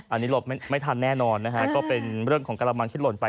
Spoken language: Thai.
อันนี้หลบไม่ทันแน่นอนนะฮะก็เป็นเรื่องของกระมังที่หล่นไป